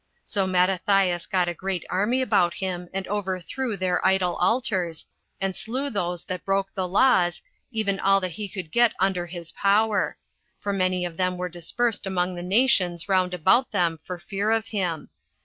So Mattathias got a great army about him, and overthrew their idol altars, and slew those that broke the laws, even all that he could get under his power; for many of them were dispersed among the nations round about them for fear of him.